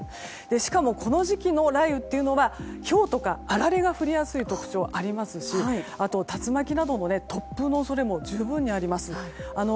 しかも、この時期に雷雨というのはひょうとかあられが降りやすい特徴がありますしあと、竜巻などの突風の恐れも十分にあります。